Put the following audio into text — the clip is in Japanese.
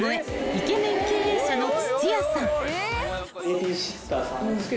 イケメン経営者の土屋さん］